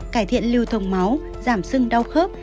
cải thiện lưu thông máu giảm sưng đau khớp